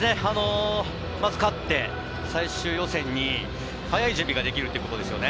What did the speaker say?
まず勝って最終予選に早い準備ができるということですよね。